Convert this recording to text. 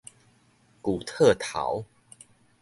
舊套頭